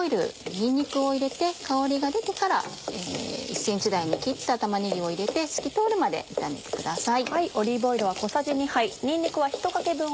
にんにくを入れて香りが出てから１ｃｍ大に切った玉ねぎを入れて透き通るまで炒めてください。